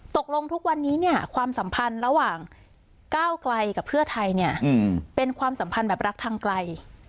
ตกลงทุกวันนี้เนี่ยความสัมพันธ์ระหว่างก้าวไกลกับเพื่อไทยเนี่ยเป็นความสัมพันธ์แบบรักทางไกล